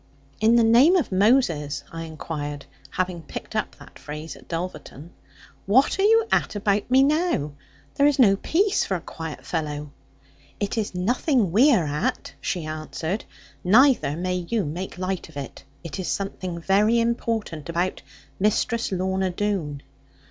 'In the name of Moses,' I inquired, having picked up that phrase at Dulverton; 'what are you at about me now? There is no peace for a quiet fellow.' 'It is nothing we are at,' she answered; 'neither may you make light of it. It is something very important about Mistress Lorna Doone.'